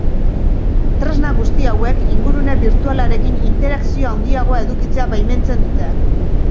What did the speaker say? Tresna guzti hauek ingurune birtualarekin interakzio handiagoa edukitzea baimentzen dute.